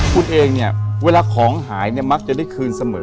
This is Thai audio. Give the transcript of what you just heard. คุณเองเนี่ยเวลาของหายเนี่ยมักจะได้คืนเสมอ